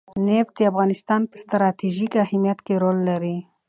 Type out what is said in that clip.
نفت د افغانستان په ستراتیژیک اهمیت کې رول لري.